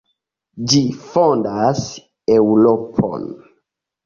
Ĝi fondas Eŭropon.